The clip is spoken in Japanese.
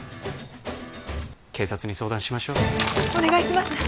警察に相談しましょうお願いします